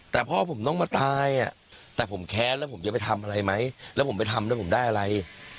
แต่พ่อผมต้องมาตายแต่ผมแค้นแล้วผมจะไปทำอะไรไหมแล้วผมไปทำแล้วผมได้อะไร